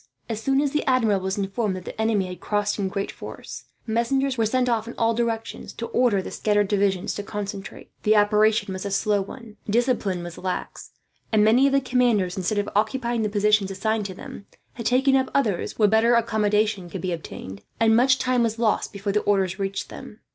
As soon as the Admiral was informed that the enemy had crossed in great force, messengers were sent off in all directions, to order the scattered divisions to concentrate. The operation was a slow one. Discipline was lax, and many of the commanders, instead of occupying the positions assigned to them, had taken up others where better accommodation could be obtained; and much time was lost before the orders reached them.